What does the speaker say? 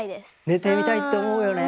寝てみたいって思うよね。